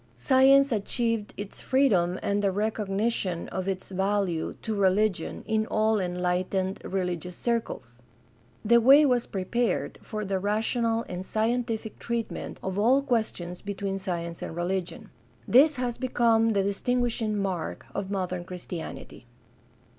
Science achieved its freedom and the recognition of its value to religion in all enlightened religious circles. The way was prepared for the rational and scientific treatment of all questions between science and religion. This has become the distinguishing mark of modern Christianity.